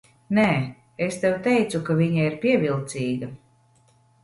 Nē, es tev teicu, ka viņa ir pievilcīga.